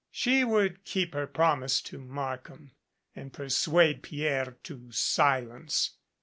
She would keep her promise to Markham and persuade Pierre to silence.